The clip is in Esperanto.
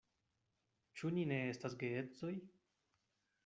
Ĉu ni ne estas geedzoj?